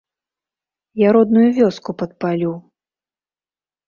Я родную вёску падпалю!